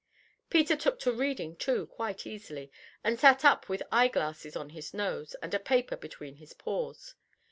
Peter took to reading, too, quite easily, and sat up with eye glasses on his nose and a paper between his paws.